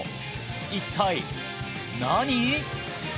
一体何？